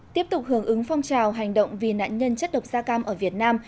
tiếp tục hưởng ứng phong trào hành động vì nạn nhân chất độc da cam ở việt nam